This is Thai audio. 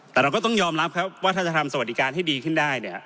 แต่เราก็ต้องยอมรับครับว่าถ้าจะทำสวัสดิการให้ดีขึ้นได้เนี่ย